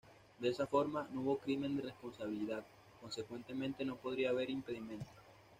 De esa forma, no hubo crimen de responsabilidad, consecuentemente no podría haber impedimento.